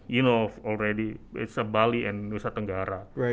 dan nomor tiga sudah tahu itu bali dan nusa tenggara